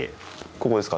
ここですか？